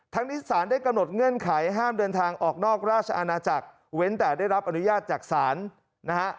นี้สารได้กำหนดเงื่อนไขห้ามเดินทางออกนอกราชอาณาจักรเว้นแต่ได้รับอนุญาตจากศาลนะฮะ